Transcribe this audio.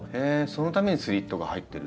そのためにスリットが入ってる。